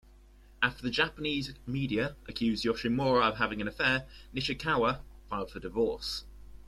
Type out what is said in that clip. After the Japanese media accused Yoshimura of having an affair, Nishikawa filed for divorce.